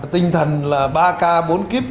tinh thần là ba k bốn kiếp